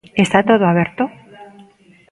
Está todo aberto?